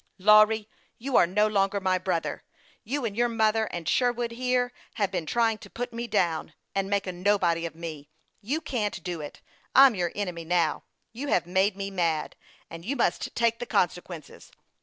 " Lawry, you are no longer my brother. You and your mother, and Sherwood here, have been trying to put me down, and make a nobody of me. You can't do it. I'm your enemy now. You have made me mad, and you must take the consequences.